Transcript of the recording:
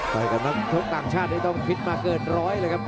ไปกับนักชกต่างชาตินี่ต้องฟิตมาเกินร้อยเลยครับ